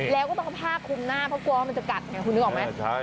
แล้วก็ต้องเอาผ้าคุมหน้าเพราะกลัวว่ามันจะกัดไงคุณนึกออกไหม